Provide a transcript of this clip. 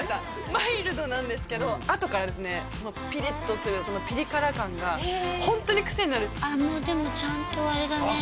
マイルドなんですけどあとからですねピリッとするそのピリ辛感がホントにクセになるでもちゃんとあれだねあっ